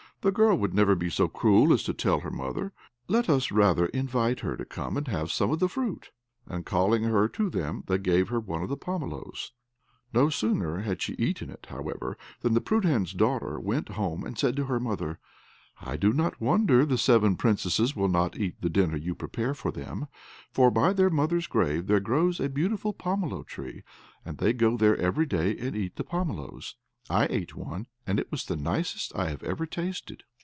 The girl would never be so cruel as to tell her mother. Let us rather invite her to come and have some of the fruit." And calling her to them, they gave her one of the pomeloes. No sooner had she eaten it, however, than the Prudhan's daughter went home and said to her mother, "I do not wonder the seven Princesses will not eat the dinner you prepare for them, for by their mother's grave there grows a beautiful pomelo tree, and they go there every day and eat the pomeloes. I ate one, and it was the nicest I have ever tasted."